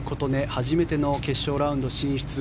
初めての決勝ラウンド進出